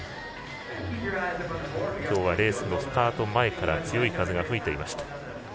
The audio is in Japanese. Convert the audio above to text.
今日はレースのスタート前から強い風が吹いていました。